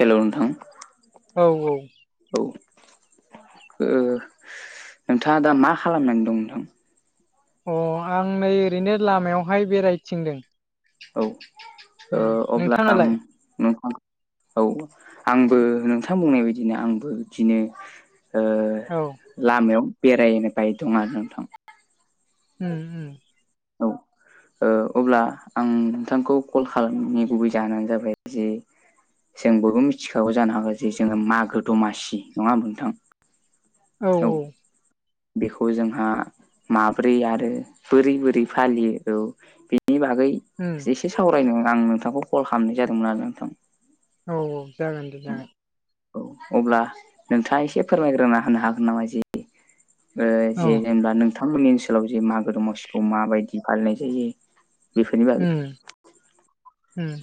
Hello नोथां। औ - औ। औ ओ नोंथाङा दा मा खालामनानै दं नोंथां। अ आं नै ओरैनो लामायावहाय बेरायथिंदों। औ ओ उम अब्ला आं नोंथाङालाय नोंथां औ आंबो नोंथां बुंनाय बायदिनो आंबो बिदिनो ओ औ लामायाव बेरायनो बाय दं आरो नोंथां। उम - उम। औ। ओ अब्ला आं नोंथांखौ कल खालामनि गुबै जाहोनानो जाबाय जे जों बयबो मिथिखागौ जानो हागौ जे जोङो मागो दमासि नङा होमबा नोंथां। औ - औ। बेखौ जोंहा माब्रै आरो बोरै - बोरै फालियो औ बेनि बागै उम एसे सावरायनो आं नोंथांखौ कल खालामनाय जादोंमोन आरो नोंथां। औ - औ जागोन दे जागोन। औ अब्ला नोंथाङा एसे फोरमायग्रोना होनो हागोन नामा जे ओ औ जि जेनेबा नोंथांमोननि ओनसोलाव जे मागो दमासिखौ माबायदि फालिनाय जायो। बेफोरनि बागै उम - उम।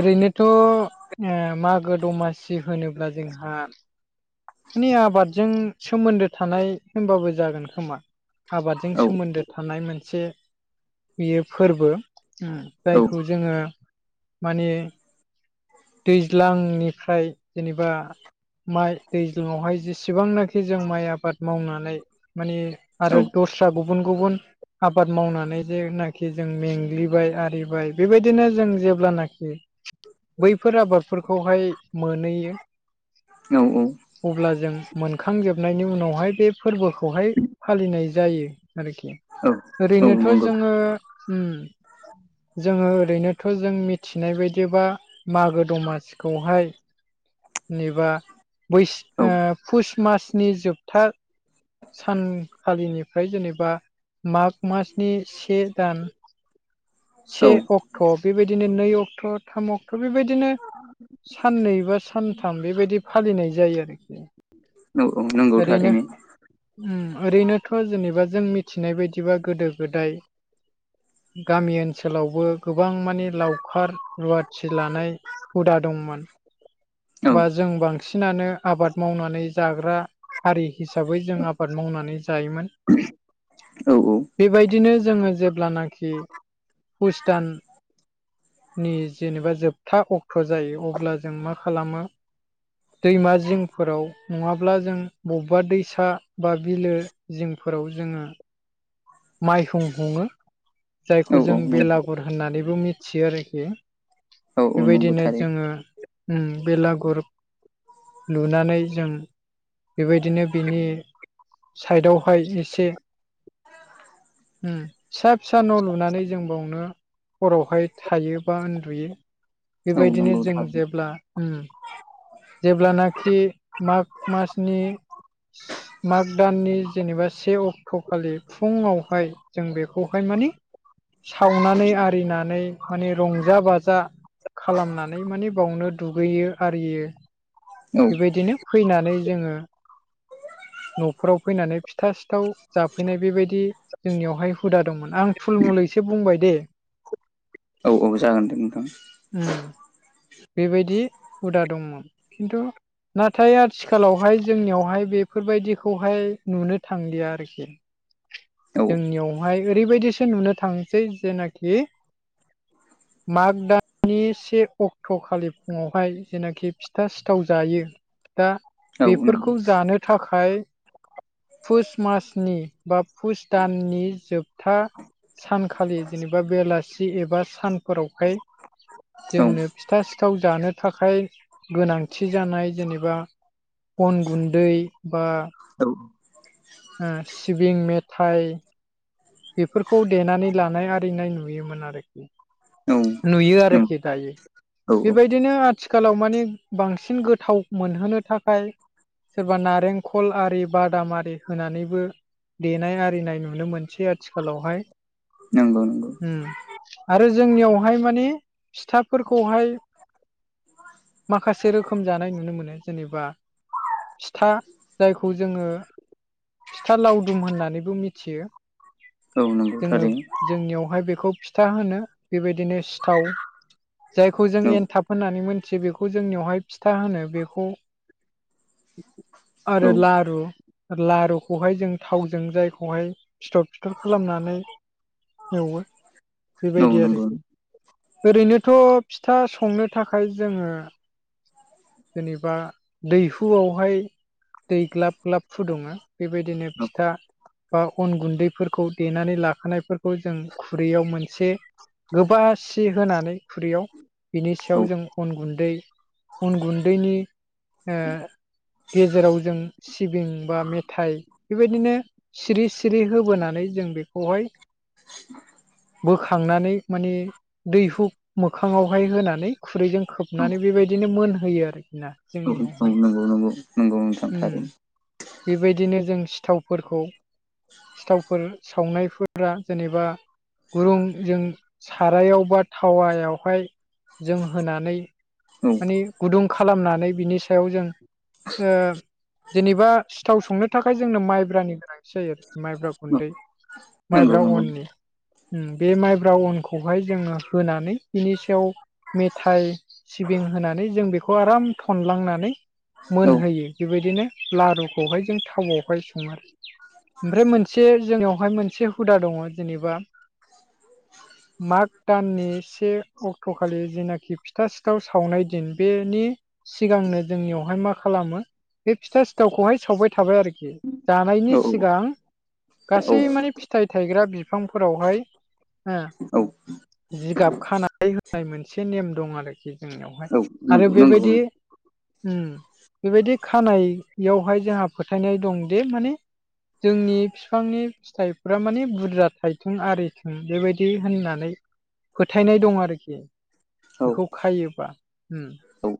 ओरैनोथ' उम मागो दमासि होनोब्ला जोंहा स्नि आबादजों सोमोन्दो थानाय होनबाबो जागोन खोमा आबादजों औ सोमोन्दो थानाय मोनसे बियो फोरबो। उम औ जायखौ जोङो माने दैज्लांनिफ्राय जेनेबा माइ दैज्लङआवहाय जेसेबांनाखि जों माइ आबाद मावनानै माने औ आरो दस्रा गुबुन गुबुन आबाद मावनानै जेनाखि जों मेंग्लिबाय आरिबाय। बेबायदिनो जों जेब्लानाखि बैफोर आबादफोरखौहाय मोनैयो। औ अब्ला जों मोनखांजोबनायनि उनावहाय बे फोरबोखौहाय फालिनाय जायो आरोखि। औ औ ओरैनोथ' नंगौ जोङो उम जोङो ओरैनोथ' जों मिथिनाय बायदिबा मागो दमासिखौहाय नेबा बैस औ ओ फुस मासनि जोबथा सानखालिनिफ्राय जेनेबा माग मासनि से दान औ से अक्ट' बेबायदिनो नै अक्ट' थाम अक्ट' बेबायदिनो साननै बा सानथाम बेबायदि फालिनाय जायो आरोखि। नोंगौ नोंगौ ओरैनो थारैनो। उम ओरैनोथ' जेनेबा जों मिथिनाय बादिबा गोदो गोदाय गामि ओनसोलावबो गोबां मानि लावखार रुवा थि लानाय हुदा दंमोन। औ बा जों बांसिनानो आबाद मावनानै जाग्रा हारि हिसाबै जों आबाद मावनानै जायोमोन। औ औ। बेबायदिनो जोङो जेब्लानाखि पुष दान नि जेनेबा जोबथा अक्ट' जायो अब्ला जों मा खालामो दैमा जिंफोराव नङाब्ला जों बबेबा दैसा बा बिलो जिंफोराव जोङो माइहुं हुङो औ जायखौ औ जों नंगौ बेलागुर होननानैबो मिथियो आरोखि। औ औ नंगौ बेबायदिनो थारैनो जोङो उम बेलागुर लुनानै जों बेबायदिनो बिनि साइदआवहाय एसे उम फिसा फिसा न' लुनानै जों बावनो हरावहाय थायो बा उन्दुयो। औ बेबायदिनो नंगौ जों थारैनो जेब्ला उम जेब्लानाखि माग मासनि माग दाननि जेनेबा से अक्ट'खालि फुङावहाय जों बेखौहाय माने सावनानै आरिनानै माने रंजा बाजा खालामनानै माने बावनो दुगैयो आरियो। औ बेबायदिनो फैनानै जोङो न'फोराव फैनानै फिथा सिथाव जाफैनाय बेबायदि दि जोंनियावहाय हुदा दंमोन। आं फुल मुलैसो बुंबाय दे। औ औ जागोन दे नोंथां। उम। बेबायदि हुदा दंमोन। खिन्थु नाथाय आथिखालावहाय जोंनियावहाय बेफोरबायदिखौहाय नुनो थांलिया आरो खि। औ जोंनियावहाय ओरैबायदिसो नुनो थांसै जेनाखि माग दाननि से अक्ट' खालि फुङावहाय जेनाखि फिथा सिथाव जायो। दा औ नंगौ बेफोरखौ जानो थाखाय पुष मासनि बा पुष दाननि जोबथा सानखालि जेनेबा बेलासि एबा सानफोरावहाय औ जोंनो फिथा सिथाव जानो थाखाय गोनां थि जानाय जेनेबा अन गुन्दै बा औ ओ सिबिं मेथाइ बेफोरखौ देनानै लानाय आरिनाय नुयोमोन आरोखि। औ नंगौ नुयो आरोखि दायो औ बेबायदिनो आ थिखालाव माने बांसिन गोथाव मोनहोनो थाखाय सोरबा नारेंखल आरि बादाम आरि होनानैबो देनाय आरिनाय नुनो मोनसै आथिखालावहाय नोंगौ नोंगौ ओ आरो जोंनियावहाय मानि फिथाफोरखौहाय माखासे रोखोम जानाय नुनो मोनो जेनेबा फिथा जायखौ जोङो फिथा लावदुम होननानैबो मिथियो। औ नंगौ जोङो थारैनो जोंनियावहाय बेखौ फिथा होनो बेबायदिनो सिथाव जायखौ जों औ एनथाब होननानै मोन्थियो बेखौ जोंनियावहाय फिथा होनो बेखौ आरो औ लारु लारुखौहाय जों थावजों जायखौहाय फिथर फिथर खालामनानै एवो औ बेबायदि नंगौ आरोखि ओरैनोथ' फिथा संनो थाखाय जोङो जेनेबा दैहुआवहाय दै ग्लाब ग्लाब फुदुङो बेबायदिनो औ फिथा बा अन गुन्दैफोरखौ देनानै लाखानायफोरखौ जों खुरैयाव मोनसे गोबासि होनानै खुरैयाव बिनि औ सायाव जों अन गुन्दै उन गुन्दैनि गेजेराव जों सिबिं बा मेथाइ बेबायदिनो सिरि सिरि होबोनानै जों बेखौहाय बोखांनानै माने दैहु मोखाङावहाय होनानै खुरैजों खोबनानै बेबायदिनो मोनहोयो आरोखि ना नगौ जोंनियावहाय नंगौ नंगौ नोंथां उम खारि बेबायदिनो जों सिथावफोरखौ सिथावफोर सावनायफोरा जेनेबा गुरुं जों सारायाव बा थावायावहाय जों होनानै औ माने गुदुं खालामनानै बिनि सायाव जों बे जेनेबा सिथाव संनो थाखाय जोंनो माइब्रानि गोनांथि जायो आरोखि माइब्रा औ गुन्दै नंगौ माइब्रा नंगौ अननि बे माइब्रा अनखौहाय जोङो होनानै बिनि सायाव मेथाइ सिबिं होनानै जों बेखौ आराम थनलांनानै औ मोनो होयो बेबायदिनो लारुखौहाय जों थावआवहाय सङो ओमफ्राय मोनसे जोंनियावहाय मोनसे हुदा दङ जेनेबा माग दाननि से अक्ट'खालि जेनाखि फिथा सिथाव सावनाय दिन बेनि सिगांनो जोंनियावहाय मा खालामो बे फिथा सिथावखौहाय सावबाय थाबाय आरोखि जानायनि औ सिगां औ गासै मान फिथाइ थायग्रा बिफांफोरावहाय औ जिगाब खानाय होनाय मोनसे नेम दं आरोखि जोंनियावहाय आरो नंगौ नंगौ बेबायदि उम बेबायदि खानायावहाय जोंहा फोथायनाय दंदि माने जोंनि बिफांनि फिथाइफोरा माने बुरजा थाइथों आरिथों बेबायदि होननानै फोथायनाय दं आरोखि औ औ बेखौ खायोबा।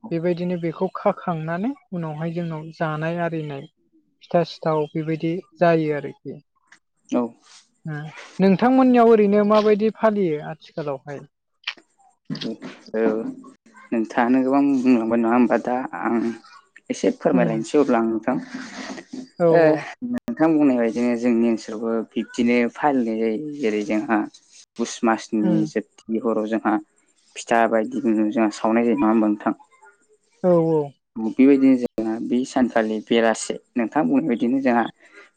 औ बेबायदिनो बेखौ खाखांनानै उनावहाय जोंनाव जानाय आरिनाय फिथा सिथाव बेबायदि जायो आरोखि। औ। नोंथांमोननियाव ओरैनो माबायदि फालियो आथिखालावहाय? औ। नोंथाङानो गोबां बुंलांबाय नङा होमबा। दा आं एसे उम फोरमायलायनोसै। अब्ला आं नोंथां। औ नोंथां बुंनाय बायदिनो जोंनि ओनसोलावबो बिब्दिनो फालिनाय जायो। जेरै जोंहा पुस मासनि उम जोबथि हराव जोंहा फिथा बायदिनो जोंहा सावनाय जायो नङा होमबा नोंथां? औ औ। बेबायदिनो जोंहा बे सानखालि बेलासे नोंथां बुंनाय बायदिनो जोंहा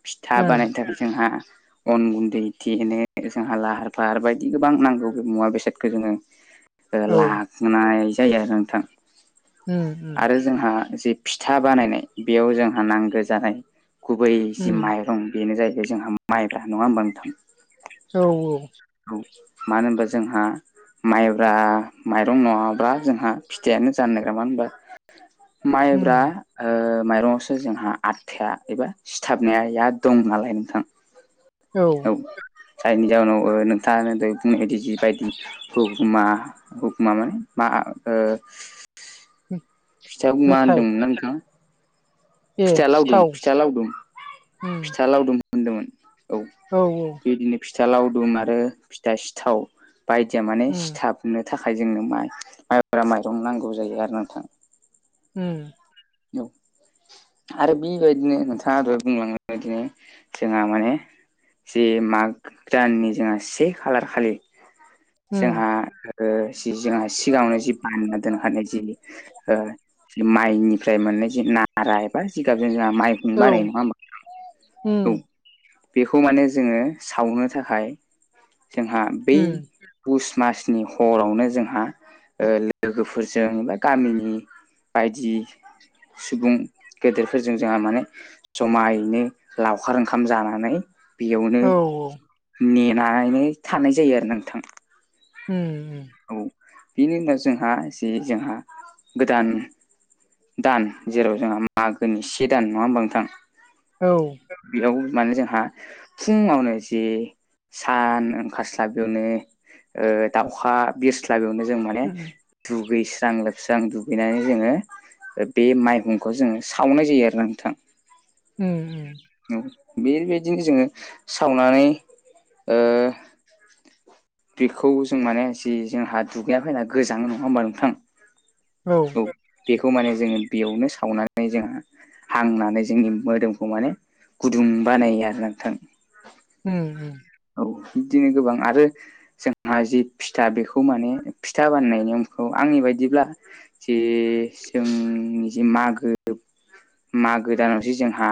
फिथा उम बानायनो थाखाय जोंहा अन गुन्दै देनो जोंहा लाहार फाहार बायदि गोबां नांगौ मुवा बेसादखो जोङो ओ औ उम लानाय जायो आरो नोंथां। उम उम। आरो जोंहा जि फिथा बानायनाय बेयाव जोंहा नांगो जानाय गुबै जि उम माइरं बेनो जाहैबाय जोंहा माइब्रा नङा होमबा नोंथां? औ औ। औ मानो होनबा जोंहा माइब्रा माइरं नङाब्ला जोंहा फिथाइयानो जानो नागिरा मानो होनबा माइब्रा उम ओ माइरङावसो जोंहा आथाया एबा सिथाबनाया दं नालाय नोंथां। औ। जायनि जाउनाव ओ नोंथाङानो दहाय बुंनाय जिबायदि उपमा उपमा माने मा ओ [unintelligible] फिथाखौ मा मेथाइ होनदोंमोनना नोंथाङा? ए फिथा लावदुम सिथाव फिथा लावदुम उम फिथा लावदुम होनदोंमोन औ। औ औ। बिदिनो फिथा लावदुम आरो फिथा सिथाव बायदिया माने उम सिथाब मोननो थाखाय जोंनो माइ माइब्रा माइरं नांगौ जायो आरो नोंथां। उम। औ। आरो बेबायदिनो नोंथाङा दहाय बुंलांनाय बादिनो जोंहा माने जे माग दाननि जोंहा से खालार खालि उम जोंहा ओ जि जोंहा सिगाङावनो जि बानना दोनखानाय जि ओ जि माइनि फ्राय मोननाय जि नारा एबा जिगाबजों जोंहा माइहुं औ बानायो नङा होमबा? औ उम बेखौ माने जोङो सावनो थाखाय जोंहा बै उम पुस मासनि हरावनो जोंहा ओ लोगोफोरजों बा गामिनि बायदि सुबुं गेदेरफोरजों जोंहा माने जमायैनो लावखार ओंखाम जानानै बेयावनो औ नेनानैनो थानाय जायो आरोना नोंथां। उम उम। औ बेनि उनाव जोंहा जे जोंहा गोदान दान जेराव जोंहा मागोनि से दान नङा होमबा नोंथां? औ। बेयाव माने जोंहा फुंङावनो जे सान ओंखारस्लाबैयावनो ओ दाउखा बिरस्लाबैयावनो जों माने उम दुगैस्रां लोबस्रां दुगैनानै जोङो बे माइहुंखौ जोङो सावनाय जायो आरोना नोंथां। उम उम। औ बेबायदिनो जोङो सावनानै ओ बेखौ जों माने जि जोंहा दुगैना फैना गोजांङो नङा होमबा नोंथां? औ। औ बेखौ माने जोङो बेयावनो सावनानै जोंहा हांनानै जोंनि मोदोमखौ माने गुदुं बानायो आरोना नोंथां। उम उम। औ बिदिनो गोबां आरो जोंहा जि फिथा बेखौ माने फिथा बानायनायनिखौ आंनि बायदिब्ला जे जोंनि जे मागो मागो दानावसो जोंहा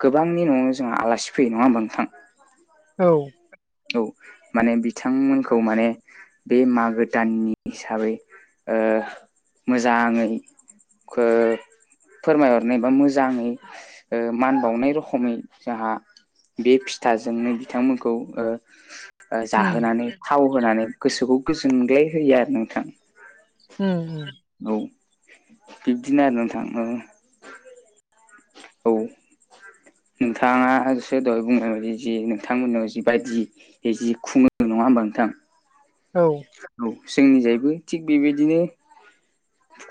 गोबांनि न'आवनो जोंहा आलासि फैयो नङा होमबा नोंथां? औ। औ माने बिथांमोनखौ माने बे मागो दाननि हिसाबै ओ मोजाङै [unintelligible] फोरमायहरनाय बा मोजाङै मान बावनाय रखोमै जोंहा बे फिथाजोंनो बिथांमोनखौ ओ ओ उम जाहोनानै थाव होनानै गोसोखौ गोजोनग्लाय होयो आरो नोंथां। उम उम औ बिब्दिनो आरो नोंथां ओ औ नोंथाङासो दहाय बुंनाय बायदि जि नोंथांमोनाव जिबायदि जि खुङो नङा होमबा नोंथां। औ औ जोंनिजायैबो थिग बेबायदिनो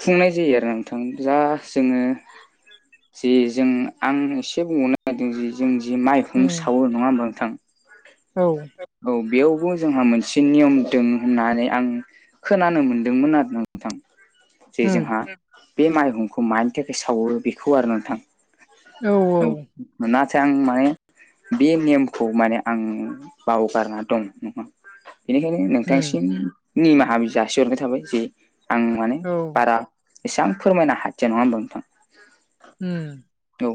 खुंनाय जायो आरो नोंथां जा जोङो जे जों आं एसे बुंबनो नागिरदों जे जों जि माइ खुं उम सावो नङा होमबा नोंथां। औ औ बेयावबो जोंहा मोनसे नियम दोङो होननानै आं खोनानो मोनदोंमोन आरो ना नोंथां। जे उम जोंहा बे माइहुंखौ मानि थाखाय सावहरो बेखौ आरो नोंथां। औ आं मानि बे नेमखौ माने आं बावगारना दं नङा बेनिखायनो नोंथां उम सिनि निमाहा जासिहरनाय थाबाय जे आं माने औ बारा एसेबां फोरमायनो हायो नङा होनबा नोंथां। उम औ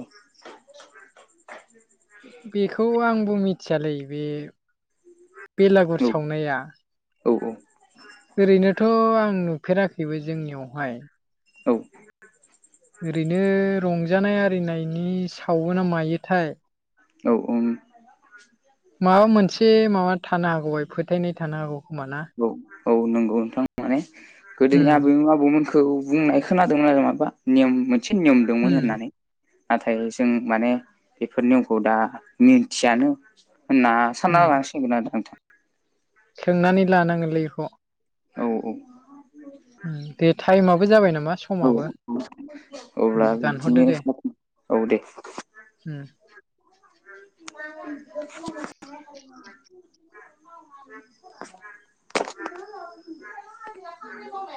बेखौ आंबो मिथियालै बे औ बेलागुर सावनाया औ औ ओरैनोथ' आं नुफेराखैबो जोंनियावहाय। औ ओरैनो रंजानाय आरिनायनि सावोना मायोथाय। औ औ माबा मोनसे माबा थानो हागौ [unintelligible] फोथायनाय थानो हागौ खोमा ना? औ औ नंगौ नोंथां माने उम गोदोनि आबैमोना आब'मोनखौ बुंनाय खोनादोंमोन आरो माबा नियम मोनसे नियम उम दंमोन होननानै। नाथाय जों माने बेफोर नियमखौ दा मिथियानो होनना सानना उम लांनांसिगोन आरो नोंथां। सोंनानै लानांगोनलै बेखौ औ औ। दे थाइमआबो जाबाय नामा औ समाबो उम अब्ला दानहरदो दे बिदिनो औ दे। उम। [inaudible]